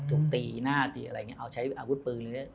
ตีหน้าตีอะไรอย่างนี้เอาใช้อาวุธปืนหรือ